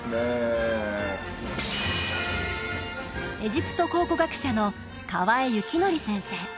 エジプト考古学者の河江肖剰先生